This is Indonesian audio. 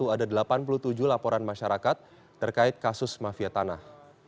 ada delapan puluh tujuh laporan masyarakat terkait kasus mafia tanah